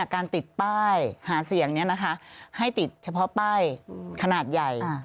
การติดป้ายหาเสียงให้ติดเฉพาะป้ายขนาดใหญ่